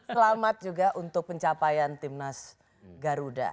selamat juga untuk pencapaian tim nas garuda